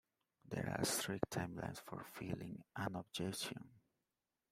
There are strict timelines for filing an objection.